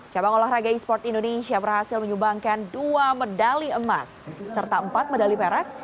cabang olahraga esport indonesia berhasil menyubangkan dua medali emas serta empat medali perak